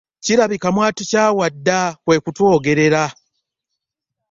Kirabika mwatukyawa dda kwe kutwogerera.